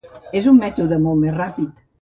És un mètode molt més ràpid.